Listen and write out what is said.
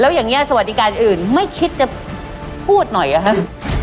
แต่มันก็ต้องมีของที่ให้เด็กใช้